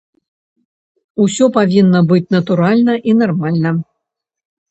Усё павінна быць натуральна і нармальна.